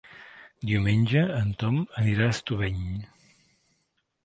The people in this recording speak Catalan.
Diumenge en Tom anirà a Estubeny.